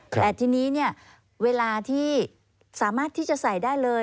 แต่ทีนี้เนี่ยเวลาที่สามารถที่จะใส่ได้เลย